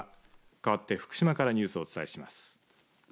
かわって福島からニュースをお伝えします。